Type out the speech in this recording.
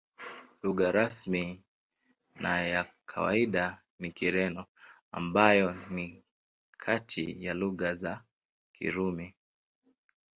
Lugha rasmi na ya kawaida ni Kireno, ambayo ni kati ya lugha za Kirumi.